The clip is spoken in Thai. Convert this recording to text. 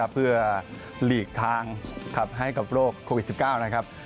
เพื่อหลีกทางให้กับโรคโควิด๑๙นะครับ